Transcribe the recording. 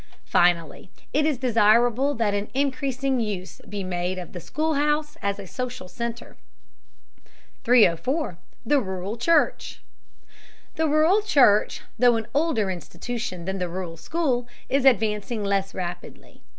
Finally, it is desirable that an increasing use be made of the schoolhouse as a social center. 304. THE RURAL CHURCH. The rural church, though an older institution than the rural school, is advancing less rapidly.